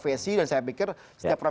terima kasih pak rudy ughadil jano